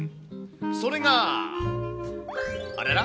それが、あらら？